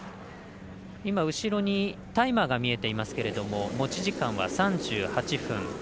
後ろにタイマーが見えていますけれども持ち時間は３８分。